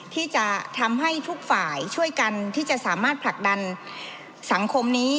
ที่จะทำให้ทุกฝ่ายช่วยกันที่จะสามารถผลักดันสังคมนี้